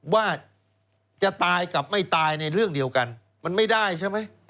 ว่าจะตายกับไม่ตายในเรื่องเดียวกันมันไม่ได้ใช่ไหม